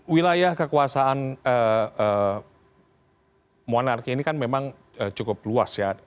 wilayah kekuasaan monarki ini kan memang cukup luas ya